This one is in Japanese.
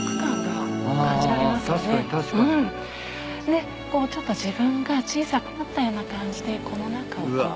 でちょっと自分が小さくなったような感じでこの中をこう。